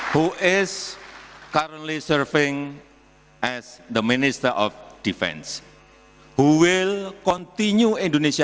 yang sedang menjabat sebagai menteri pertahanan indonesia